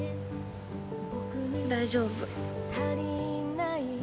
大丈夫。